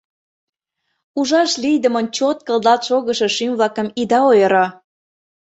Ужаш лийдымын чот кылдалт шогышо шӱм-влакым ида ойыро.